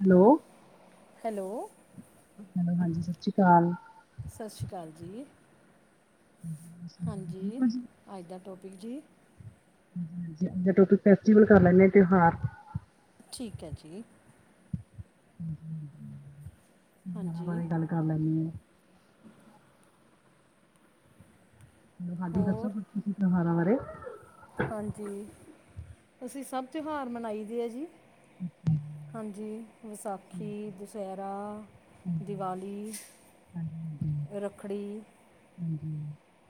Hello hello hello ਹਾਂਜੀ, ਸਸ੍ਰੀ ਕਾਲ। ਸਸ੍ਰੀ ਕਾਲ ਜੀ। [inaudible] ਹਾਂਜੀ, ਆੱਜ ਦਾ ਟੋਪਿਕ ਜੇ ਹੂੰ, ਹੂੰ ਫੈਸਟੀਵਲ ਕਾਰ ਲੈਂਦੇ ਤੇਹਾਰ। ਠੀਕ ਐ ਜੀ। ਹੂੰ, ਹੂੰ, ਹੂੰ। ਹਾਂਜੀ। [unintelligible] ਹਾਂਜੀ, ਦੱਸੋ ਹੋਰ ਫੇਰ ਤੂਸੀ ਤੇਓਹਾਰਾਂ ਬਾਰੇ? ਹਾਂਜੀ, ਤੂਸੀਂ ਸਬ ਤਿਉਹਾਰ ਮਨਾਈ ਦੇ ਆ ਜੀ। ਹਾਂਜੀ, ਹਾਂਜੀ, ਵਸਾਖੀ, ਦੁਸੈਰਾ ਹਾਂਜੀ, ਦਿਵਾਲੀ, ਹਾਂਜੀ, ਰੱਖੜੀ ਹਾਂਜੀ,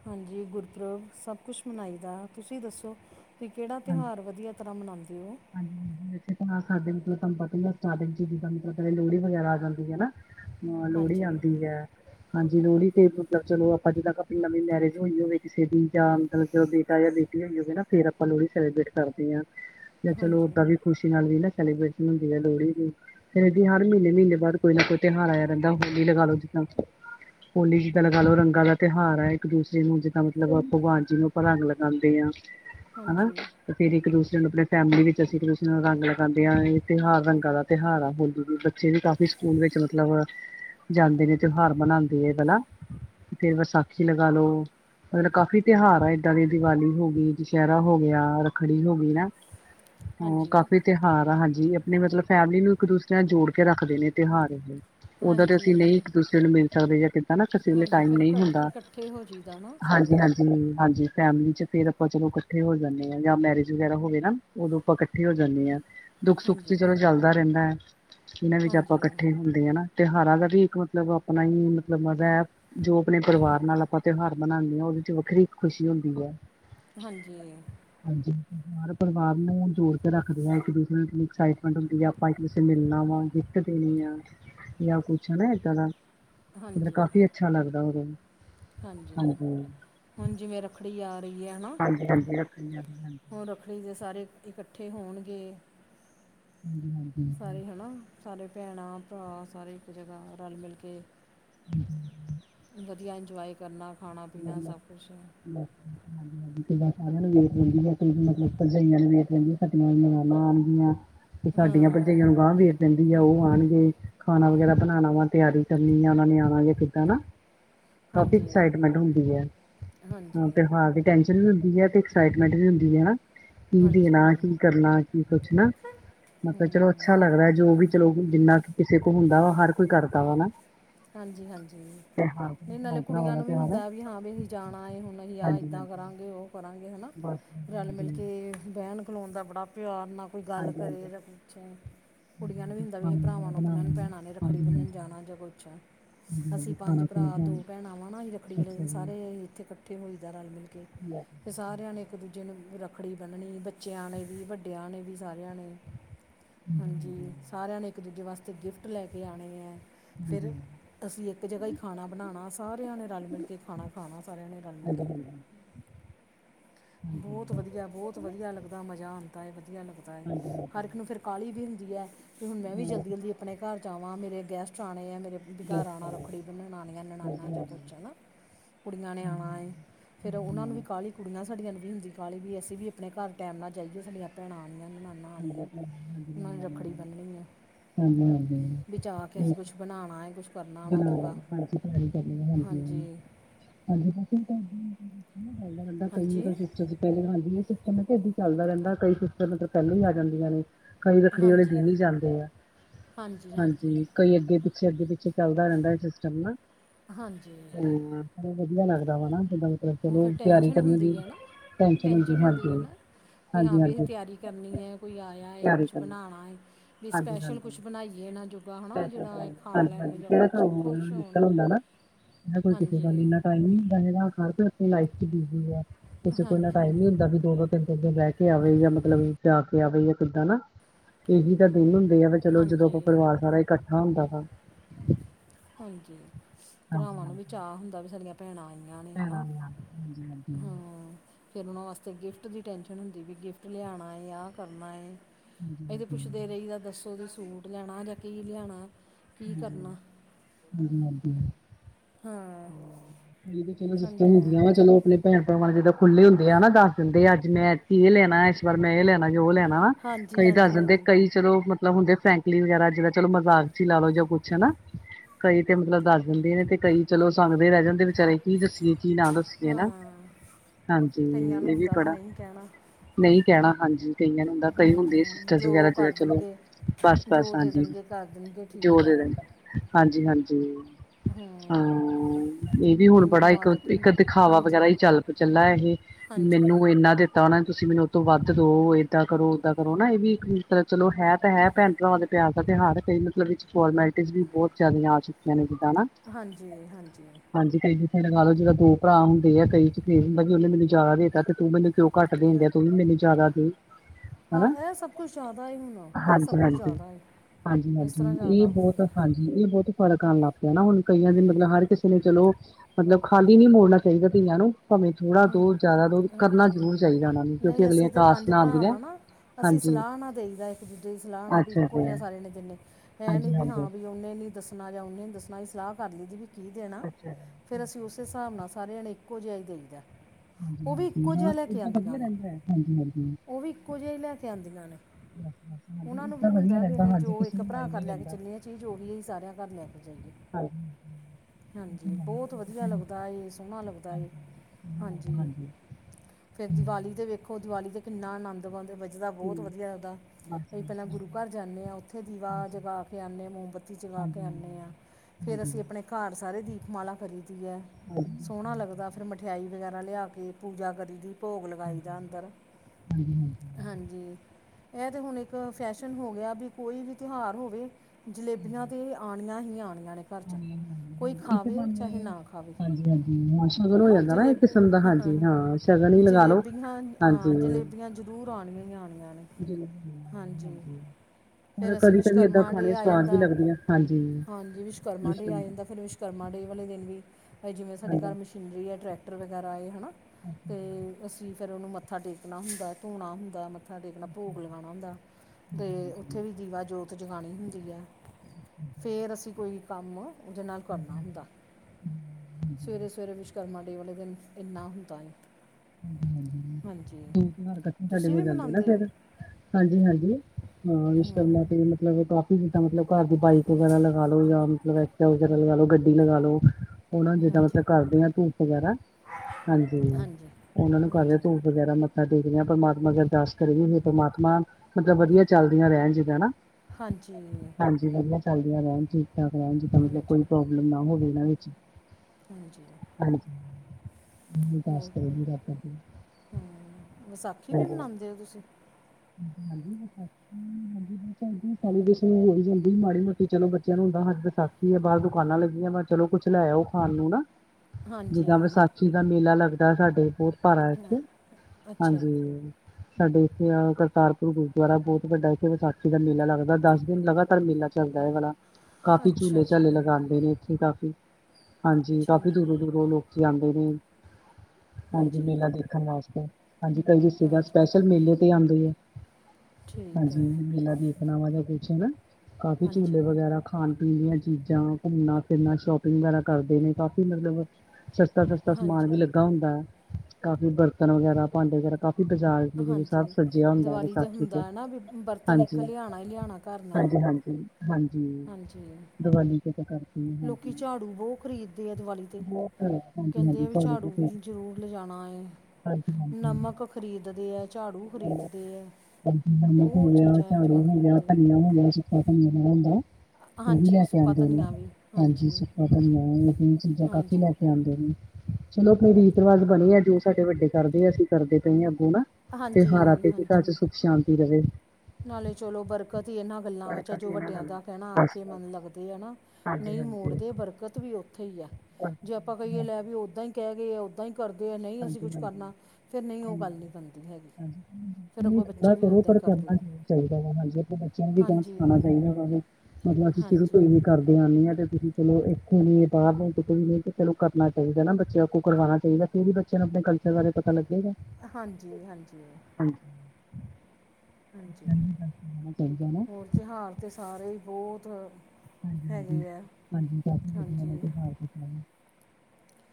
ਹਾਂਜੀ, ਗੁਰ ਪੂਰਬ ਸਬ ਕੁਛ ਮਨਾਈ ਦਾ ਤੁਸੀਂ ਦੱਸੋ? ਕੀ ਕੇੜਾ ਹਾਂਜੀ। ਤੇਹਾਰ ਵਦੀਆ ਤਰ੍ਹਾਂ ਮਨਾਂਦੇ ਆ। ਹਾਂਜੀ, ਏਥੇ ਤਾਂ ਨਾ ਸਾਡੇ ਥੋਨੂੰ ਪਤਾ ਈ ਆ ਸਟਾਟੀਂਗ ਚ ਜਿਦਾਂ ਮਤਲਬ ਲੋੜੀ ਵਗੈਰਾ ਆ ਜਾਂਦੀ ਆ ਹਨਾ। ਹਾਂ, ਲੋੜੀ ਹਾਂਜੀ ਆਂਦੀ ਐ। ਹਾਂਜੀ, ਲੋੜੀ ਤੇ ਮਤਲਬ ਚਲੋ ਆਪਾਂ ਜਿੱਦਾ ਕਪਲ ਨਵੀਂ ਮੈਰਜ ਹੋਈ ਹੋਵੇ ਕਿਸੇ ਦੀ ਜਾਂ ਮਤਲਬ ਜਦੋਂ ਵੀ ਚਾਏ ਬੇਟੀ ਹੋਈ ਹੋਵੇ ਨਾ ਫੇਰ ਆਪਾਂ ਲੋਹੜੀ ਸੈਲੀਬ੍ਰੇਟ ਕਰਦੇ ਆਂ। ਜਾਂ ਚਲੋ ਹਾਂਜੀ ਓਦਾਂ ਵੀ ਖੁਸ਼ੀ ਨਾਲ ਵੀ ਨਾ, ਸੈਲੀਬ੍ਰੇਸ਼ਨ ਹੁੰਦੀ ਐ ਲੋਹੜੀ ਦੀ, ਫੇਰ ਏਦੀ ਹਰ ਮ੍ਹੀਨੇ, ਮ੍ਹੀਨੇ ਬਾਦ ਕੋਈ ਨਾ ਕੋਈ ਤੇਹਾਰ ਆਏਆ ਰੈਂਦਾ ਹੋਲੀ ਲਗਾ ਲੋ ਜਿੱਦਾਂ ਹੋਲੀ ਜਿੱਦਾਂ ਲਗਾ ਲੋ ਰੰਗਾਂ ਦਾ ਤੇਹਾਰ ਐ, ਇੱਕ ਦੂਸਰੇ ਨੂੰ ਜਿੱਦਾਂ ਮਤਲਬ ਭਗਵਾਨ ਜੀ ਨੂੰ ਆਪਾਂ ਰੰਗ ਲਗਾਂਦੇ ਆਂ ਹਨਾ, ਹਾਂਜੀ ਤੇ ਫੇਰ ਇੱਕ ਦੂਸਰੇ ਨੂੰ ਆਪਨੇ ਫੈਮਲੀ ਵਿੱਚ ਅਸੀਂ ਇੱਕ ਦੂਸਰੇ ਨੂੰ ਰੰਗ ਲਗਾਂਦੇ ਆਏ ਤੇਹਾਰ ਆ ਹੋਲੀ ਬੱਚੇ ਵੀ ਕਾਫੀ ਸਕੂਲ ਵਿੱਚ ਮਤਲਬ, ਜਾਂਦੇ ਨੇ ਤੇਹਾਰ ਮਨਾਂਦੇ ਏ ਵਾਲਾ। ਫੇਰ ਵਸਾਖੀ ਲਗਾਲੋ ਮਤਲਬ ਕਾਫੀ ਤੇਹਾਰ ਆ ਏਦਾਂ ਦੇ ਦੀਵਾਲੀ ਹੋ ਗੀ, ਦੂਸੇ਼ਰਾ ਹੋ ਗੇਆ, ਰੱਖੜੀ ਹੋ ਗੀ ਹਨਾ। ਹਾਂ ਹਾਂਜੀ ਕਾਫੀ ਤੇਹਾਰ ਆ ਹਾਂਜੀ, ਆਪਨੀ ਮਤਲਬ ਫੈਮਲੀ ਨੂੰ ਇੱਕ ਦੂਸਰੇ ਨਾਲ ਜੋੜ ਕੇ ਰੱਖਦੇ ਨੇ ਤੇਹਾਰ। ਓਦਾਂ ਤੇ ਅਸੀਂ ਨਈ ਹਾਂਜੀ ਇੱਕ, ਦੂਸਰੇ ਨੂੰ ਮਿਲ ਸਾਕਦੇ ਯਾ ਹਨਾ ਕਿਸੇ ਵੇਲੇ ਹਾਂਜੀ ਟਾਈਮ ਫਿਰ ਇਕ ਨਈ ਹੁੰਦਾ ਇਕੱਠੇ ਹੋ ਜਾਈਦਾ ਨਾ ਸਾਰੇ ਹਾਂਜੀ ਜਣੇ ਹਾਂਜੀ-ਹਾਂਜੀ ਫੈਮਲੀ ਚ ਫੇਰ ਆਪਾਂ ਚਲੋ ਕੱਠੇ ਹੋ ਜਾਂਨੇ ਆਂ ਯਾ ਮੈਰੇਜ ਵਗੈਰਾ ਹੋਵੇ ਨਾ, ਓਦੋਂ ਆਪਾਂ ਕੱਠੇ ਹੋ ਜਾਂਨੇ ਆ। ਦੁੱਖ-ਸੁੱਖ ਚ ਹਾਂਜੀ ਚਲੋ ਚੱਲਦਾ ਰੈਂਦਾ ਏ, ਏਨਾਂ ਵਿੱਚ ਆਪਾਂ ਹਾਂਜੀ ਕੱਠੇ ਹੁੰਦੇ ਆ ਤੇਹਾਰਾਂ ਦਾ ਵੀ ਇੱਕ ਮਤਲਬ ਅਪਨਾ ਹੀ, ਮਤਲਬ ਮਜ਼ਾ ਐ ਜੋ ਆਪਨੇ ਪਰਵਾਰ ਨਾਲ਼ ਆਪਾਂ ਤੇਹਾਰ ਮਨਾਂਨੇ ਆ ਓਦੇ ਵਿੱਚ ਵੱਖਰੀ ਇੱਕ ਖੁਸ਼ੀ ਹੁੰਦੀ ਐ। ਹਾਂਜੀ। ਹਾਂਜੀ, [unintelligible] ਪਰਵਾਰ ਨੂੰ ਜੋੜ ਕੇ ਰੱਖਦੇ ਆ ਇੱਕ ਦੂਸਰੇ ਨੂੰ ਏਨੀ ਐਕਸਾਈਟਮੈਂਟ ਹੁੰਦੀ ਆ, ਆਪਾਂ ਇੱਕ ਦੂਸਰੇ ਮਿਲਨਾ ਵਾ ਗਿਫਟ ਦੇਣੇ ਆ। ਯਾ ਕੁੱਛ ਹਣਾ ਏਦਾਂ ਦਾ, ਮਲਬ ਹਾਂਜੀ ਕਾਫੀ ਅੱਛਾ ਲੱਗਦਾ ਓਦੋ। ਹਾਂਜੀ ਹੁਣ ਜੀ ਮੇਰਾ ਰੱਖੜੀ ਆ ਰਹੀ ਹੈ ਹੈਾ ਹਾਂਜੀ-ਹਾਂਜੀ ਰੱਖੜੀ ਆਲੀ ਹਾਂਜੀ ਹੁਣ ਰੱਖੜੀ ਦੇ ਸਾਰੇ ਇਕੱਠੇ ਹੋਣਗੇ ਹਾਂਜੀ ਹਾਂਜੀ ਸਾਰੇ ਹੈ ਨਾ ਸਾਰੇ ਭੈਣਾਂ ਭਰਾ ਸਾਰੇ ਇੱਕ ਜਗ੍ਹਾ ਰਲ ਮਿਲ ਕੇ ਹਮ ਵਧੀਆ ਇੰਜੋਏ ਕਰਨਾ ਖਾਣਾ ਪੀਣਾ ਸਭ ਕੁਛ ਬ ਸਾਰਿਆਂ ਨੂੰ ਵੇਟ ਰਹਿੰਦੀ ਹੈ ਮਤਲਬ ਭਰਜਾਈਆਂ ਨੂੰ ਵੇਟ ਰਹਿੰਦੀ ਸੱਟੀਆਂ ਵਾਲੀਆਂ ਦਕਾਨਾਂ ਆਉਣਗੀਆਂ ਤੇ ਸਾਡੀਆਂ ਹਾਂ ਭਰਜਾਈਆਂ ਨੂੰ ਕਹਾਂ ਵੀਰ ਰਹਿੰਦੀ ਆ ਉਹ ਆਉਣਗੇ ਖਾਣਾ ਵਗੈਰਾ ਬਣਾਉਣਾ ਵਾ ਤਿਆਰੀ ਕਰਨੀ ਆ ਉਹਨਾਂ ਨੇ ਆਉਣਾਗੇ ਫਿੱਦਾਂ ਹਨਾ ਹਾਂਜੀ ਐਕਸਾਈਟਮੈਂਟ ਵੀ ਹੁੰਦੀ ਹੈ ਹੈ। ਹਾਂਜੀ ਤਿਉਹਾਰ ਦੀ ਟੈਂਸ਼ਨ ਵੀ ਹੁੰਦੀ ਹ ਤੇ ਐਕਸਾਈਟਮੈਂਟ ਵੀ ਹੁੰਦੀ ਕੀ ਦੇਣਾ ਹਾਂਜੀ ਕੀ ਕਰਨਾ ਕੀ ਕੁੱਛ ਨਾ ਮੈਂਲਤਲ ਚਲੋ ਹੂੰ ਅੱਛਾ ਲੱਗਦਾ ਜੋ ਵੀ ਚਲੋ ਜਿੰਨਾ ਕਿਸੇ ਕੋਲ ਹੁੰਦਾ ਵਾ ਹਰ ਕੋਈ ਕਰਦਾ ਵਾ ਨਾ ਹਾਂਜੀ ਹਾਂਜੀ ਤਿਉਹਾਰ ਨਹੀਂ ਨਾਲੇ ਭੈਣ ਭਰਾਵਾਂ ਕੁੜੀਆਂ ਦਾ ਨੂੰ ਵੀ ਤਿਉਹਾਰ ਹੈ ਹੁੰ ਵੀ ਹਾਂ ਵੀ ਅਸੀਂ ਜਾਣਾ ਹੈਏ ਹੁਣ ਅਸੀਂ ਆਹ ਹਾਂਜੀ ਇੱਦਾਂ ਹਾਂਜੀ ਕਰਾਂਗੇ ਉਹ ਕਰਾਂਗੇ ਹਨਾ ਬਸ ਹਾਂਜੀ ਰਲ ਹਾਂਜੀ ਮਿਲ ਕੇ ਤੇ ਬਹਿਣ ਖਲੋਣ ਦਾ ਬੜਾ ਪਿਆਰ ਨਾ ਕੋਈ ਗੱਲ ਹਾਂਜੀ ਕਰੇ ਜਾਂ ਹਾਂਜੀ, ਕੁੱਛੇ ਕੁੜੀਆਂ ਨੂੰ ਵੀ ਹੁੰਦਾ ਵੀ ਖਾਣਾ ਭਰਾਵਾਂ ਵਗੈਰਾ ਨੂੰ ਆਪਣਣ ਬਣਾਉਣਾ ਹੈ। ਭੈਣਾਂ ਨੇ ਰੱਖੜੀ ਹਾਂਜੀ ਬੰਨਣ ਹਾਂਜੀ ਜਾਣਾ ਜਾਂ ਕੁਛ ਹਾਂਜੀ ਅਸੀਂ ਹਾਂਜੀ ਪੰਜ ਖਾਣਾ ਖੁਣਾ ਭਰਾ ਦੋ ਬਣਾਉਣਾ ਭੈਣਾਂ ਵਾਂ ਨਾ ਜੀ ਰੱਖੜੀ ਵਾਲੇ ਅੱਛਾ ਦਿਨ ਸਾਰੇ ਅ ਇੱਥੇ ਇਕੱਠੇ ਹੋਈਦਾ ਰਲ ਮਿਲ ਕੇ ਹ ਅਤੇ ਸਾਰਿਆਂ ਨੇ ਇੱਕ ਦੂਜੇ ਨੂੰ ਰੱਖੜੀ ਬੰਨਣੀ ਬੱਚਿਆਂ ਨੇ ਵੀ ਵੱਡਿਆਂ ਨੇ ਵੀ ਸਾਰਿਆਂ ਨੇ ਹਾਂਜੀ ਸਾਰਿਆਂ ਨੇ ਇੱਕ ਦੂਜੇ ਵਾਸਤੇ ਗਿਫਟ ਲੈ ਕੇ ਆਉਣੇ ਹੈ ਫਿਰ ਹਾਂਜੀ ਅਸੀਂ ਇੱਕ ਜਗ੍ਹਾ ਹੀ ਖਾਣਾ ਬਣਾਣਾ ਸਾਰਿਆਂ ਨੇ ਰਲ ਮਿਲ ਕੇ ਖਾਣਾ ਖਾਣਾ ਸਾਰਿਆਂ ਨੇ ਰਲ ਮਿਲ ਕੇ ਹਾਂਜੀ ਹਾਂਜੀ ਬਹੁਤ ਵਧੀਆ ਬਹੁਤ ਵਧੀਆ ਲੱਗਦਾ ਮਜ਼ਾ ਆਉਂਦਾ ਹੈਏ ਵਧੀਆ ਲੱਗਦਾ ਹਾਂਜੀ ਹਰ ਹਾਂਜੀ ਇੱਕ ਨੂੰ ਫੇਿਰ ਕਾਹਲੀ ਵੀ ਹੁੰਦੀ ਹੈ ਤੇ ਹੁਣ ਮੈਂ ਵੀ ਜਾਂ ਜਲਦੀ ਜਲਦੀ ਆਪਣੇ ਘਰ ਜਾਵਾਂ ਮੇਰੇ ਗੈਸਟ ਆਣੇ ਆ ਮੇਰੇ ਦੇ ਘਰ ਗੈਸਟ ਆ ਆਉਣਾ ਰੱਖੜੀ ਗਏ। ਵੀ ਨਨਾਨੀਆਂ ਨਨਾਨਾ ਹਾਂਜੀ ਜਾਂ ਹਾਂਜੀ ਕੁਛ ਹੈ ਨਾ ਕੁੜੀਆਂ ਨੇ ਆਉਣਾ ਹਾਂਜੀ ਏ ਫੇਿਰ ਹਾਂਜੀ ਉਹਨਾਂ ਨੂੰ ਵੀ ਨਿਆਣਾ ਕਾਹਲੀ ਕੁੜੀਆਂ ਸਾਡੀਆਂ ਨੂੰ ਵੀ ਹੁੰਦੀ ਕਾਹਲੀ ਵੀ ਅਸੀਂ ਵੀ ਆਪਣੇਰ ਟਾਈਮ ਨਾਲ ਜਾਈਏ ਸਾਡੀਆਂ ਭੈਣਾਂ ਆਉਂੀਆਂ ਹਾਂਜੀ ਨ ਆਪਣੇ- ਹਾਂਜੀ ਉਹ ਨੂੰ ਨਿਆਣਾ ਰੱਖੜੀ ਨਿਆਣਾ ਬੰਨਣੀ ਆ ਹਾਂਜੀ ਬਚ ਕੇ ਅਸੀਂ ਕੁਝ ਬਣਾਉਣਾ ਹੈਏ ਕੁਛ ਬਣਾਣੀ ਹਜੀ ਹਾਂਜੀ ਹਾਂਜੀ ਬਾਕੀ ਕਈ ਹਾਂਜੀ ਇਹ ਸਿਸਟ ਹੈ ਤੇ ਇੱਦਾਂ ਚੱਲਦਾ ਰਹਿੰਦਾ ਕਈ ਸਿਸਟਮ ਮਤਲਬ ਪਹਿਲਾਂ ਹੀ ਆ ਜਾਂਦੀਆਂ ਨੇ ਕਈ ਰੱਖੜੀ ਵਾਲੇ ਹਾਂਜੀ ਦਿਨ ਹੀ ਜਾਂਦੇ ਆ ਹਾਂਜੀ ਕਈ ਅੱਗੇ ਪਿੱਛੇ ਅੱਗੇ ਪਿੱਛੇ ਚੱਲਦਾ ਰਹਿੰਦਾ ਸਿਸਟਮ ਨਾ ਹਾਂਜੀ ਵਧੀਆ ਲੱਗਦਾ ਵਾ ਨਾ ਮਤਲਬ ਉਹ ਚਲੋ ਫਿਰ ਤਿਆਰੀ ਟੈਨਸ਼ਨ ਕਰਨੀ ਦੀ ਹੁੰਦੀ ਹੈ ਨਾ ਟੈਨਸ਼ਨ ਹੁੰ ਹੁੰਦੀ ਹੈ ਹਾਂਜੀਾਂ ਨਾ ਵੀ ਹਾਂ ਵੀ ਅਸੀਂ ਤਿਆਰੀ ਕਰਨੀ ਹੈ ਕੋਈ ਆਇਆ ਹੈ ਤਿਆਰੀ ਕੁਛ ਕਰਨੀ ਬਣਾਉਣਾ ਹੈ ਵੀ ਸਪੈਸ਼ਲ ਕੁਛ ਬਣਾਈਏ ਨਾ ਜੋ ਹਾਂ ਹਾਂਜੀ ਕਿਹੜਾ ਖੁਸ਼ ਹੋਣ ਨਿਕਲ ਹੁੰਦਾ ਮੈਂ ਕੋਈ ਕਿਸੇ ਹਾਂਜੀ ਗੱਲ ਨ ਇੰਨਾ ਟਾਈਮ ਨ ਨਹੀਂ ਬ ਕਰ ਲਾਈਫ ਚ ਬਿਜ਼ੀ ਕੋਨਾ ਟਾਈਮ ਹਾਂਜੀ ਨੀ ਹੁੰਦਾ ਵੀ ਦੋ ਦੋ ਕਿ ਬਹਿ ਕੇ ਆਵੇ ਜਾਂ ਮਤਲਬ ਜਾ ਕੇ ਆਵੇ ਜਾਂ ਕਿੱਦਾਂ ਨਾ ਇਹੀ ਤਾਂ ਦਿਨ ਹੁੰਦੇ ਆ ਚਲੋ ਜਦੋਂ ਆਪਾਂ ਹਾਂਜੀ ਪਰਿਵਾਰ ਸਾਰਾ ਇਕੱਠਾ ਹੁੰ ਹਾਂਜੀ ਹਾਂਜੀ ਭਰਾਵਾਂ ਨੂੰ ਵੀ ਹਾਂਜੀ ਚਾਅ ਹੁੰਦਾ ਵੀ ਸਾਡੀਆਂ ਭੈਣਾਂ ਆਈਆਂ ਨੇ ਹੈਨਾ ਭੈਣਾਂ ਆਉਣਾ ਹਾਂਜੀ ਹਾਂਜੀ ਹਾਂਜੀ ਹਮ ਫਿਰ ਉਹਨਾਂ ਵਾਸਤੇ ਗਿਫਟ ਦੀ ਟੈਂਸ਼ਨ ਹੁੰਦੀ ਵੀ ਗਿਫਟ ਲਿਆਉਣਾ ਹੈ ਜਾਂ ਕਰਨਾ ਹੈ ਇਹ ਵੀ ਹਾਂਜੀ ਪੁੱਛਦੇ ਰਹੀਦਾ ਦੱਸੋ ਤੇ ਸੂਟ ਲੈਣਾ ਜਾਂ ਕੀ ਲਿਆਣਾ। ਕੀ ਜ ਕਰਨਾ ਜ ਹਾਂਜੀ [inaudible] ਹਾਂ ਮ ਤਾਂ ਚਲੋ ਸਿਸਟਮ ਸੰਟੇ ਹੁੰਦੀਆਂ ਵਾ ਚਲੋ ਆਪਣੇ। ਭੈਣ ਭਰਾਵਾਂ ਨਾਲ ਜਦੋਂ ਖੁੱਲੇ ਹੁੰਦੇ ਆ ਨਾ ਦੱਸ ਦਿੰਦੇ ਆ ਅੱਜ ਮੈਂ ਕਿ ਲੈਣਾ। ਵਾਰ ਮੈਂ ਇਹ ਲੈਣਾ ਜੇ ਉਹ ਲੈਣਾ ਹਾਂਜੀ ਕਈ ਦੱਸ ਹਾਂਜੀ ਦਿੰਦੇ ਹਾਂਜੀ ਕਈ। ਚਲੋ ਮਤਲਬ ਹੁੰਦੇ ਫਰੈਂਕਲੀ ਵਗੈਰਾ ਜਿਹੜਾ ਚਲੋ ਮਜ਼ਾਕ ਚ ਲਾ ਲਓ ਜਾਂ ਕੁਛ ਹਨਾ। ਕਈ ਤੇ ਮਤਲਬ ਦੱਸ ਦਿੰਦੇ ਨੇ ਤੇ ਕਈ ਚਲੋ ਸੰਗਦੇ ਰਹਿ ਜਾਂਦੇ ਵਿਚਾਰੇ ਕੀ ਦੱਸੀਏ ਕੀ ਨਾ ਦੱਸ। ਇਸ ਲਈ, ਹਾਂ ਹਾਂਜੀ, ਕਈਆਂ ਨੂੰ ਇਹ ਵੀ ਹੁੰਦਾ ਬੜਾ, ਨਹੀਂ ਕਹਿਣਾ ਨਹੀਂ ਕਹਿਣਾ ਹਾਂਜੀ। ਕਈਆਂ ਨੂੰ ਹੁੰਦਾ ਕਈ ਹੁੰਦੇ ਹੂੰ ਸਿਸਟਰ ਵਗੈਰਾ ਜੋ ਜਰਾ ਕਰ ਚਲੋ ਦਿੰਦੇ ਬਸ- ਬਸ ਜੋ ਦੇ ਹਾਂਜੀ। ਦਿੰਦੇ ਕਰ ਦਿੰਦੇ। ਜੋ ਠੀਕ ਦੇਦੇ, ਹਾਂਜੀ-ਹਾਂਜੀ ਹਮ। ਇਹ ਵੀ ਹੁਣ ਬੜਾ ਇੱਕ ਇੱਕ ਦਿਖਾਵਾ ਹਾਂਜੀ ਵਗੈਰਾ ਹੀ ਚੱਲ ਚੱਲਾ ਐ ਹਾਂਜੀ ਮੈਨੂੰ ਇਹਨਾਂ ਦੇ। ਤਾਂ ਉਹਨਾਂ ਨੇ ਤੁਸੀਂ ਮੈਨੂੰ ਉਹਤ ਤੋਂ ਵੱਧ ਦੋ ਏਦਾਂ ਕਰੋ ਓਦਾਂ ਕਰੋ ਨਾ ਇਹ ਵੀ ਇੱਕ ਮਤਲਬ ਚਲੋ ਹੈ ਤਾਂ ਹੈ ਭੈਣ ਭਰਾਵਾਂ ਦੇ। ਪਿਆਰ ਦਾ ਤਿਉਹਾਰ ਕਈ ਮਤਲਬ ਵਿੱਚ ਫੋਰਮੈਲਿਟੀਜ਼ ਵੀ ਬਹੁਤ ਜ਼ਿਆਦਾ ਆ ਚੁੱਕੀਆਂ ਨੇ ਜਿੱਦਾਂ ਹਨਾ। ਹਾਂਜੀ- ਹਾਂਜੀ। ਹਾਂਜੀ ਕਈ ਸਾਈਡ ਜਿੱਦਾ ਦੋ ਭਰਾ ਹੁੰਦੇ ਆ ਕਈ ਚ ਹੁੰਦਾ ਉਹਨੇ ਮੈਨੂੰ ਜਿਆਦਾ ਦਿੱਤਾ ਤੇ ਤੂੰ ਮੈਨੂੰ। ਉਹ ਘੱਟ ਦੇਣਦੇ ਤੂੰ ਵੀ ਮੈਨੂੰ ਜ਼ਿਆਦਾ ਦੇ। ਹਾਂ ਹਨਾ ਇਹ ਸਭ ਕੁਛ ਜ਼ਿਆਦਾ ਹੈ ਹੁਣ ਇਹ ਸਭ ਹਾਂਜੀ ਕੁਛ ਹਾਂਜੀ ਜ਼ਿਆਦਾ ਹੈ ਇਸ ਤਰ੍ਹਾਂ ਹਾਂਜੀ-ਹਾਂਜੀ, ਜ਼ਿਆਦਾ ਇਹ ਬਹੁਤ ਹੋਣਦਾ। ਇਹ ਬਹੁਤ ਫ਼ਰਕ ਆਉਣ ਲੱਗ ਪਿਆ ਨਾ ਹੁਣ ਕਈਆਂ ਦੇ ਮਤਲਬ ਹਰ ਕਿਸੇ ਨੇ ਚਲੋ। ਮਤਲਬ ਖਾਲੀ ਨੀ ਮੋੜਨਾ ਚਾਹੀਦਾ ਧੀਆਂ ਨੂੰ। ਭਾਂਵੇ ਥੋੜਾ ਦੋ ਜ਼ਿਆਦਾ ਦੋ ਕਰਨਾ ਹਾਂਜੀ ਜ਼ਰੂਰ ਚਾਹੀਦਾ ਇਹਨਾਂ ਨੂੰ ਕਿਉਂਕਿ ਨਹੀਂ ਅਗਲੀਆਂ ਅਸੀਂ ਇਕ ਤੇ ਆਸ ਪੰਜ ਨਾਲ ਭਰਾ ਆਉਂਦੀਆਂ। ਵਾਂ ਨਾ ਅਸੀਂ ਸਲਾਹ ਨਾਲ ਦੇਈਦਾ ਇੱਕ ਦੂਜੇ ਦੀ ਸਲਾਹ ਨਾਲ ਵੀ ਅੱਛਾ ਇੱਕੋ ਜੀ, ਜਿਹਾ ਸਾਰੇ ਨੇ ਜਿੰਨੇ। ਇਹ ਨੀ ਵੀ ਹਾਂਜੀ-ਹਾਂਜੀ, ਹਾਂ ਵੀ ਉਹਨੇ ਨੀ ਦੱਸਣਾ ਜਾਂ ਉਹਨੇ ਨੀ ਦੱਸਣਾ ਵੀ ਸਲਾਹ ਕਰ ਲਈ ਦੀ ਵੀ। ਕੀ ਦੇਣਾ, ਅੱਛਾ ਜੀ। ਫਿਰ ਅਸੀਂ ਉਸੇ ਹਿਸਾਬ ਨਾਲ ਸਾਰਿਆ ਨੇ ਇੱਕੋ ਜਿਹਾ ਹੀ ਦੇਈਦਾ। ਉਹ ਵੀ ਹਾਂਜੀ-ਹਾਂਜੀ, ਇੱਕੋ ਹਾਂ ਜਿਹਾ ਲੈ ਕੇ ਏਦਾਂ ਆਉਂਦੀਆਂ ਵਧੀਆ ਨੇ, ਰਹਿੰਦਾ ਐ, ਹਾਂਜੀ-ਹਾਂਜੀ, ਉਹ ਵੀ ਇੱਕੋ ਜਿਹਾ ਲੈ ਕੇ ਆਉਂਦੀਆਂ ਨੇ। ਬਸ-ਬਸ ਹਾਂਜੀ ਉਹਨਾ ਨੂੰ ਵੀ ਏਦਾਂ ਵਧੀਆ ਹੁੰਦਾ ਵੀ ਰਹਿੰਦਾ ਅਸੀਂ ਹਾਂਜੀ ਜੋ ਕਿਸੇ ਇੱਕ ਨੂੰ ਭਰਾ ਮਾਇੰਡ ਘਰ ਨੀ ਲੈ ਕੇ ਰਹਿੰਦਾ, ਚੱਲਿਆ ਹੈ। ਚੀਜ਼ ਹੋ ਰਹੀ ਹੈ ਹੀ ਸਾਰਿਆਂ ਘਰ ਲੈ ਕੇ ਜਾਈਏ ਹਾਂਜੀ-ਹਾਂਜੀ। ਹਾਂਜੀ ਬਹੁਤ ਵਧੀਆ ਲੱਗਦਾ ਏ, ਸੋਹਣਾ ਲੱਗਦਾ ਏ। ਹਾਂਜੀ ਸੋਹਣਾ ਲੱਗਦਾ ਹਾਂਜੀ ਫੇਰ ਦੀਵਾਲੀ ਹੂੰ, ਤੇ ਵੇਖੋ ਦੀਵਾਲੀ ਤੇ ਕਿੰਨਾ ਆਨੰਦਵੰਦ। ਉਹਦਾ ਬਹੁਤ ਵਧੀਆ ਉਹਦਾ। ਅਸੀ ਬਸ-ਬਸ ਪਹਿਲਾਂ ਗੁਰੂ ਘਰ ਜਾਂਦੇ ਆ ਉੱਥੇ ਦੀਵਾ ਹਾਂਜੀ-ਹਾਂਜੀ। ਜਗਾ ਕੇ ਆਉਂਦੇ ਹਾਂ ਮੋਮਬੱਤੀ ਜਗਾ ਕੇ ਹਾਂਜੀ ਹਾਂਜੀ ਆਉਂਦੇ ਆ। ਫਿਰ ਅਸੀਂ ਹਾਂਜੀ ਆਪਣੇ ਘਰ ਸਾਰੇ ਦੀਪਮਾਲਾ ਕਰੀ ਦੀ ਐ, ਹਾਂਜੀ ਸੋਹਣਾ ਲੱਗਦਾ ਫਿਰ ਮ‌ ਮਠਿਆਈ ਵਗੈਰਾ ਲਿਆ ਕੇ ਪੂਜਾ ਕਰੀ ਦੀ ਭੋਗ ਲਗਾਈ ਹਾਂਜੀ ਦਾ ਅੰਦਰ। ਹਾਂਜੀ ਹਾਂਜੀ ਹਾਂਜੀ ਇਹ ਤਾਂ ਹੁਣ ਇੱਕ ਫੈਸ਼ਨ ਹੋ ਗਿਆ ਵੀ ਕੋਈ ਵੀ ਤਿਉਹਾਰ ਹੋਵੇ। ਜਲੇਬੀਆਂ ਤੇ ਆਉਣੀਆਂ ਹੀ ਆਉਣੀਆਂ ਨੇ ਘਰ 'ਚ, ਹਾਂਜੀ ਹਾਂਜੀ ਹਾਂਜੀ ਕੋਈ ਖਾਵੇ ਚਾਹੇ ਨਾ ਖਾਵੇ। ਹਮ ਸ਼ਗਨ ਹੋ ਹਨਾ ਜਾਂਦਾ ਨਾ ਇੱਕ ਜਲੇਬੀ ਕਿਸਮ ਦਾ ਹਾਂਜੀ ਹਾਂ ਸ਼ਗਨ ਹੀ ਲਗਾ ਲੋੋ ਜਲੇਬੀਆਂ ਹਾਂਜੀ। ਹਾਂ ਜਲੇਬੀਆਂ ਜ਼ਰੂਰ ਆਉਣੀਆਂ ਹੀ ਆਉਣੀਆਂ ਨੇ, ਜ਼ਰੂਰ, ਹਾਂ, ਹਾਂਜੀ। ਪਰ ਫੇਰ ਅਸੀਂ ਕਦੀ ਕਦੀ ਏਦਾਂ ਵਿਸ਼ਕਰਮਾ ਡੇਅ ਖਾਣੇ ਆ ਸਵਾਦ ਵੀ ਜਾਂਦਾ, ਲੱਗਦੀਆਂ ਹਾਂਜੀ ਹਾਂਜੀ ਵਿਸ਼। ਵਿਸ਼ਕਰਮਾ ਡੇਅ ਆ ਮੁਸ਼ਕਿਲ ਜਾਂਦਾ, ਫਿਰ ਵਿਸ਼ਕਰਮਾ ਡੇਅ ਵਾਲੇ ਦਿਨ ਵੀ ਜਿਵੇਂ ਸਾਡੇ ਹਾਂਜੀ ਘਰ ਵਿਸ਼। ਹੁੰਦੀ ਟੈਕਟਰ ਵਗੈਰਾ ਏ ਹਵਾ। ਫਿਰ ਉਹਨੂੰ ਮੱਥਾ ਟੇਕਣਾ ਹੁੰਦਾ, ਧੋਣਾ ਹੁੰਦਾ ਹੈ ਉਹਨੂੰ ਮੱਥਾ ਟੇਕਣਾ, ਭੋਗ ਲਗਾਉਣਾ ਹੁੰਦਾ ਤੇ ਹਾਂਜੀ ਹਾਂਜੀ ਉੱਥੇ ਵੀ ਦੀਵਾ ਜੋਤ। ਜਗਾਉਣੀ ਹੁੰਦੀ ਹੈ, ਫੇਰ ਅਸੀਂ ਕੋਈ ਕੰਮ। ਉਹਦੇ ਨਾਲ ਕਰਨਾ ਹੁੰਦਾ, ਸਵੇਰੇ-ਸਵੇਰੇ ਵਿਸ਼। ਕਰਮਾ ਡੇ ਵਾਲੇ ਦਿਨ ਇੰਨਾ ਹੁੰਦਾ ਏ। ਹਾਂਜੀ-ਹਾਂਜੀ, ਹਾਂਜੀ, ਦੋ ਤਿਉਹਾਰ ਇਕੱਠੇ ਸਾਡੇ ਤੁਸੀਂ ਹੋ ਵੀ ਜਾਂਦੇ ਨਾ ਮਨਾਂਉਦੇ ਹੋ। ਫੇਰ। ਹਾਂਜੀ-ਹਾਂਜੀ, ਹਾਂ ਹੂੰ ਵਿਸ਼ਕਰਮਾ ਡੇਅ। ਮਤਲਬ ਕਾਫ਼ੀ ਚੀਜਾ ਮਤਲਬ ਘਰ ਦੀ ਬਾਈਕ ਵਗੈਰਾ ਲਗਾ ਲੋ ਜਾਂ ਮਤਲਬ ਐਕਟੀਵਾ ਵਗੈਰਾ ਲਗਾ ਲੋ ਗੱਡੀ ਲਗਾ ਲੋ। ਉਹ ਨਾ ਜਿੱਦਾਂ ਹਾਂਜੀ ਮਤਲਬ ਕਰਦੇ ਹਾਂ ਧੂਫ਼ ਵਗੈਰਾ ਹਾਂਜੀ। ਕਰ ਹਾਂਜੀ ਧੂਪ ਵਗੈਰਾ ਮੱਥਾ ਟੇਕ ਦਿਆਂ ਪ੍ਰਮਾਤਮਾ ਅਗੇ ਅਰਦਾਸ ਕਰਦੀ ਹੇ ਪਰਮਾਤਮਾ। ਮਤਲਬ ਵਧੀਆ ਚੱਲਦੀਆਂ ਰਹਿਣ ਜਿਦਾ ਹਨਾ। ਹਾਂਜੀ ਹਾਂਜੀ ਵਧੀਆ ਚੱਲਦੀਆਂ ਰਹਿਣ, ਠੀਕ- ਠਾਕ ਰਹਿਣ ਜਿੱਦਾਂ, ਮਤਲਬ ਹਾਂਜੀ ਕੋਈ ਪ੍ਰੋਬਲਮ ਨਾ ਹੋਵੇ ਇਹਨਾਂ ਵਿੱਚ। ਹਾਂਜੀ ਹਾਂਜੀ, ਮੈਨੂੰ ਹੋਰ ਦੱਸ ਦਿਓ ਜ਼ਰਾ। ਹੂੰ, ਵਿਸਾਖੀ ਵੀ ਮਨਾਂਦੇ ਹੋ ਤੁਸੀਂ। [inaudible] ਹੂੰ, ਹਾਂਜੀ ਚੱਲ ਵੀ ਸੈਲੀਬ੍ਰੇਸ਼ਨ ਹੋਈ ਜਾਂਦੀ ਮਾੜੀ ਮੋਟੀ, ਚਲੋ ਬੱਚਿਆਂ ਨੂੰ ਹੁੰਦਾ ਹੱਜ ਬਸਾ ਕੀ ਆ ਬਾਹਰ ਦੁਕਾਨਾਂ ਲੱਗੀਆਂ, ਮੈਂ ਕਿਹਾ ਚਲੋ ਕੁਛ ਲੈ ਆਓ ਖਾਣ ਨੂੰ ਨਾ। ਹਾਂਜੀ ਜਿੱਦਾਂ ਵਿਸਾਖੀ ਦਾ ਮੇਲਾ ਲੱਗਦਾ ਸਾਡੇ ਬਹੁਤ ਭਾਰਾ ਅਹ, ਇੱਥੇ, ਅੱਛਾ ਜੀ ਹਾਂਜੀ। ਸਾਡੇ ਇੱਥੇ ਆਹ ਕਰਤਾਰਪੁਰ ਗੁਰਦੁਆਰਾ ਬਹੁਤ ਵੱਡਾ, ਇੱਥੇ ਵਿਸਾਖੀ ਦਾ ਮੇਲਾ ਲੱਗਦਾ ਦਸ ਦਿਨ ਲਗਾਤਾਰ ਮੇਲਾ ਚੱਲਦਾ ਇਹ ਵਾਲਾ। ਕਾਫ਼ੀ ਅੱਛਾ ਝੂਲੇ ਜੀ ਝਾਲੇ ਲਗਾਂਦੇ ਨੇ ਇੱਥੇ, ਕਾਫੀ ਹਾਂਜੀ ਕਾਫੀ ਠੀਕ ਦੂਰੋਂ- ਹੈ ਦੂਰੋਂ ਲੋਕ ਜਾਂਦੇ ਨੇ, ਹਾਂਜੀ ਮੇਲਾ ਦੇਖਣ ਵਾਸਤੇ। ਅੱਜ- ਕੱਲ੍ਹ ਰਿਸ਼ਤੇਦਾਰ ਹਾਂਜੀ ਸਪੈਸ਼ਲ ਮੇਲੇ ਤੇ ਆਂਦੇ ਐ, ਠੀਕ ਹਾਂਜੀ ਹੈ ਮੇਲਾ ਦੀ। ਨਵਾਂ ਜਾ ਕੁਛ ਹਨਾ, ਕਾਫੀ ਹਾਂਜੀ ਝੂਲੇ ਵਗੈਰਾ। ਖਾਣ- ਪੀਣ ਦੀਆਂ ਚੀਜ਼ਾਂ, ਘੁੰਮਣਾ ਫਿਰਨਾ, ਸ਼ੋਪਿੰਗ ਵਗੈਰਾ ਕਰਦੇ ਨੇ ਕਾਫ਼ੀ ਮਤਲਬ। ਸਸਤਾ-ਸਸਤਾ ਸਮਾਨ ਹਾਂਜੀ ਵੀ ਲੱਗਾ ਹੁੰਦਾ ਐ, ਕਾਫੀ ਬਰਤਨ ਵਗੈਰਾ, ਭਾਂਡੇ ਵਗੈਰਾ ਕਾ ਬਾਜ਼ਾਰ ਬਜ਼ੂਰ ਸਭ ਹਾਂਜੀ ਸੱਜਿਆ ਹੁੰਦਾ ਦੀਵਾਲੀ ਵਿਸਾਖੀ ਤੇ, ਹੁੰਦਾ ਹੈ ਨਾ ਵੀ ਬਰਤਨ ਇੱਕ ਹਾਂਜੀ। ਲਿਆਣਾ ਹੀ ਲਿਆਣਾ ਘਰ ਨਵਾਂ ਹਾਂਜੀ-ਹਾਂਜੀ। ਹਾਂਜੀ, ਹਾਂਜੀ ਦੀਵਾਲੀ ਤੇ ਤਾਂ ਕਰਦੇ ਨੇ, ਲੋਕੀ ਹਾਂਜੀ ਝਾੜੂ ਬਹੁਤ ਖਰੀਦਦੇ ਆ ਦੀਵਾਲੀ ਤੇ ਬਹੁਤ ਹਾਂਜੀ ਕਹਿੰਦੇ ਹਾਂਜੀ ਆ ਵੀ ਝਾੜੂ ਵੀ ਜ਼ਰੂਰ ਲਿਜਾਣਾ ਐ। ਹਾਂਜੀ-ਹਾਂਜੀ। ਨਮਕ ਖਰੀਦਦੇ ਐ, ਝਾੜੂ ਖਰੀਦਦੇ ਐ। ਨਮਕ ਹੋ ਗਿਆ, ਝਾੜੂ ਹੋ ਗਿਆ, ਧਨੀਆ ਹੋ ਗਿਆ, ਸੁੱਕਾ ਧਨੀਆ ਜਿਹੜਾ ਹੁੰਦਾ। ਉਹ ਵੀ ਹਾਂਜੀ ਲੈ ਕੇ ਸੁੱਕਾ ਆਂਦੇ ਨੇ, ਧਨੀਆ ਵੀ ਹਾਂਜੀ ਸੁੱਕਾ ਧਨੀਆ, ਇਹ ਚੀਜ਼ਾਂ ਕਾਫ਼ੀ ਲੈ ਹਾਂਜੀ ਕੇ ਆਂਦੇ ਨੇ। ਚਲੋ ਆਪਣੇ ਰੀਤ ਰਿਵਾਜ ਬਣੇ ਐ, ਜੋ ਸਾਡੇ ਵੱਡੇ ਕਰਦੇ ਆ, ਅਸੀਂ ਕਰਦੇ ਪਏ ਆਂ ਅੱਗੋਂ ਨਾ। ਤਿਉਹਾਰਾਂ ਹਾਂਜੀ ਤੇ ਕਿ ਘਰ ਚ ਹਾਂਜੀ ਸੁੱਖ ਸ਼ਾਂਤੀ ਰਵੇ। ਨਾਲੇ ਚਲੋ ਬਰਕਤ ਹੀ ਇਹਨਾਂ ਗੱਲਾਂ ਵਿਚ ਆ, ਬਰਕਤ ਜੋ ਇਹਨਾਂ ਵੱਡਿਆਂ ਦਾ ਕਹਿਣਾ ਬਸ ਆਖੇ ਬਸ ਮਨ ਲੱਗਦੇ ਐ ਹਨਾ। ਹਾਂਜੀ ਨਹੀਂ ਹਾਂਜੀ ਮੋੜਦੇ ਬਰਕਤ ਵੀ ਉੱਥੇ ਈ ਐ, ਬਸ, ਜੇ ਆਪਾਂ ਹਾਂਜੀ ਕਹੀਏ ਲੈ ਵੀ ਓਦਾਂ ਹੀ ਕਹਿ ਗਏ ਆ, ਓਦਾਂ ਈ ਕਰਦੇ ਆ ਨਹੀਂ ਅਸੀਂ ਹਾਂਜੀ ਕੁਛ ਹਾਂਜੀ ਕਰਨਾ, ਫਿਰ ਨਹੀਂ ਉਹ ਗੱਲ ਨਹੀਂ ਬਣਦੀ ਹੈਗੀ, ਫੇਰ ਅੱਗੋਂ ਬੱ ਆਹ ਕਰੋ, ਪਰ ਕਰਨਾ ਕੀ ਐ। ਚਾਹੀਦਾ ਹੈ, ਹਾਂਜੀ ਆਪਾਂ ਬੱਚਿਆਂ ਨੂੰ ਵੀ ਅਗਾਂਹ ਸਿਖਾਣਾ ਹਾਂਜੀ ਚਾਹੀਦਾ, ਮਤਲਬ ਅਸੀਂ ਸ਼ੁਰੂ ਹਾਂਜੀ। ਕਰੀਏ ਕਰਦੇ ਆਂਨੇ ਹਾਂ, ਤੇ ਤੁਸੀਂ ਚਲੋ ਇੱਥੋਂ ਵੀ ਨੇ ਬਾਹਰ ਨੇ ਕਿਤੇ ਵੀ ਨੇ, ਕਿ ਚਲੋ ਕਰਨਾ ਚਾਹੀਦਾ ਨਾ, ਬੱਚਿਆਂ ਕੋ ਕਰਵਾਣਾ ਚਾਹੀਦਾ। ਫੇਰ ਈ ਬੱਚਿਆਂ ਨੂੰ ਆਪਣੇ ਕਲਚਰ ਬਾਰੇ ਪਤਾ ਲੱਗੇਗਾ। ਹਾਂਜੀ-ਹਾਂਜੀ। ਹਾਂਜੀ। ਹਾਂਜੀ, ਬੱਚਿਆਂ ਨੂੰ ਵੀ ਅਗਾਂਹ ਸਿਖਾਉਣਾ ਚਾਹੀਦਾ ਨਾ ਹੋਰ ਤਿਉਹਾਰ ਤੇ ਸਾਰੇ ਹੀ ਬਹੁਤ ਹੈਗੇ ਐ। ਹਾਂਜੀ-ਹਾਂਜੀ-ਹਾਂਜੀ, ਸਾਰੇ ਵਧੀਆ ਨੇ ਹਾਂਜੀ, ਤਿਉਹਾਰ ਤੇ ਸਾਰੇ।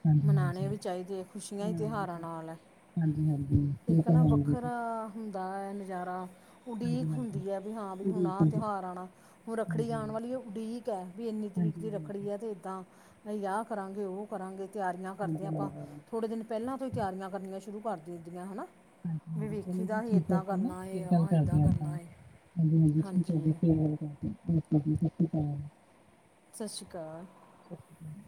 ਹਾਂਜੀ ਮਨਾਣੇ ਹਾਂਜੀ ਵੀ ਚਾਹੀਦੇ ਐ, ਖੁਸ਼ੀਆਂ ਹੀ ਤਿਉਹਾਰਾਂ ਨਾਲ ਐ। ਹਾਂਜੀ-ਹਾਂਜੀ। ਇੱਕ ਨਾ ਵੱਖਰਾ ਹੁੰਦਾ ਐ ਨਜ਼ਾਰਾ। ਉਡੀਕ ਜੀ ਹਾਂਜੀ ਹਾਂਜੀ ਹਾਂਜੀ ਹਾਂਜੀ ਹਾਂਜੀ ਹੁੰਦੀ ਐ ਵੀ ਹਾਂ ਵੀ, ਹੁਣ ਆਹ ਉਡੀਕ, ਤਿਉਹਾਰ ਆਣਾ। ਹੁਣ ਰੱਖੜੀ ਹਾਂਜੀ ਆਣ ਵਾਲੀ ਏ, ਉਡੀਕ ਐ ਵੀ ਇੰਨੀ ਤਰੀਕ ਦੀ ਰੱਖੜੀ ਏ, ਤੇ ਏਦਾਂ। ਨਹੀਂ ਆਹ ਕਰਾਂਗੇ, ਉਹ ਕਰਾਂਗੇ ਤਿਆਰੀਆਂ ਕਰਦੇ ਆਂ ਆਪਾਂ, ਹਾਂਜੀ ਥੋੜ੍ਹੇ ਦਿਨ ਪਹਿਲਾਂ ਤੋਂ ਹੀ ਤਿਆਰੀਆਂ ਕਰਨੀਆਂ ਸ਼ੁਰੂ ਕਰ ਦਿੰਦੀਆਂ ਹਨਾ। ਵੀ ਹਾਂਜੀ-ਹਾਂਜੀ ਵੇਖੀ ਚਲੋ ਦਾ ਜੀ ਸੀ, ਠੀਕ ਹੈ ਏਦਾਂ ਜੀ ਨਾ ਕਰਨਾ ਫਿਰ ਗੱਲ ਆ, ਕਰਦੇ ਏਦਾਂ ਹਾਂ ਆਪਾਂ ਕਰਨਾ ਏ। ਹਾਂਜੀ [inaudible] ਸਸ ਰੀ ਅਕਾਲ। ਸਸ ਰੀ ਕਾਲ।